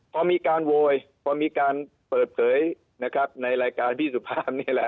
พอมีการโยยพอมีการเปิดเผยในรายการพี่สุพรามนี่และ